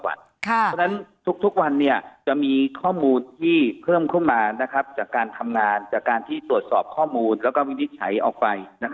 เพราะฉะนั้นทุกวันจะมีข้อมูลที่เพิ่มขึ้นมาจากการทำงานจากการที่ตรวจสอบข้อมูลแล้วก็วินิจฉัยออกไป